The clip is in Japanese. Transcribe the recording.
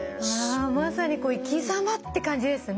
まさに生き様って感じですね。